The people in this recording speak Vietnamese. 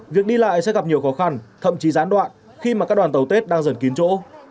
việc đi lại sẽ gặp nhiều khó khăn thậm chí gián đoạn khi mà các đoàn tàu tết đang dần kín chỗ